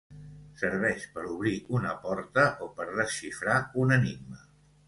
Serveix per obrir una porta o per desxifrar un enigma.